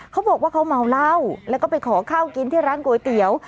เขาบอกว่าเขาเมาเหล้าแล้วก็ไปขอข้าวกินที่ร้านก๋วยเตี๋ยว